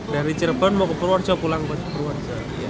dari cirebon mau ke purworejo pulang ke purwakar